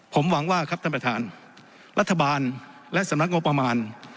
ผมหวังว่าครับท่านประธานรัฐบาลและสำนักงบประมาณ